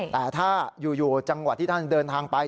แต่ถ้าอยู่จังหวัดที่ท่านเดินทางไป